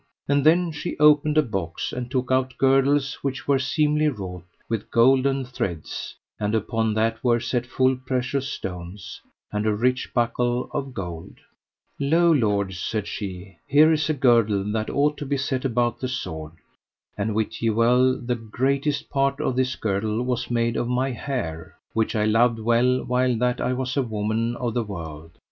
And then she opened a box, and took out girdles which were seemly wrought with golden threads, and upon that were set full precious stones, and a rich buckle of gold. Lo, lords, said she, here is a girdle that ought to be set about the sword. And wit ye well the greatest part of this girdle was made of my hair, which I loved well while that I was a woman of the world.